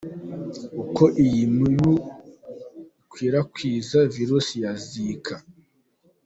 Uko iyo mibu ikwirakwiza virus ya Zika.